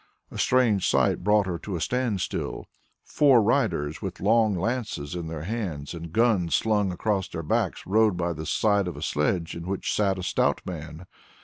A strange sight brought her to a standstill. Four riders with long lances in their hands and guns slung across their backs rode by the side of a sledge, in which sat a stout man.